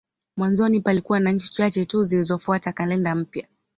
Mwanzoni palikuwa na nchi chache tu zilizofuata kalenda mpya.